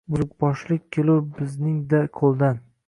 Buzuqboshlik kelur bizning-da qo’ldan.